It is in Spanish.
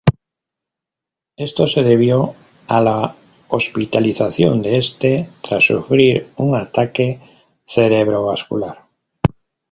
Esto se debió a la hospitalización de este tras sufrir un ataque cerebrovascular.